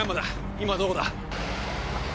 今どこだ？